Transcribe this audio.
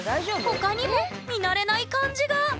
他にも見慣れない漢字が！え？